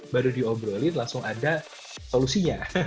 baru diobrolin langsung ada solusinya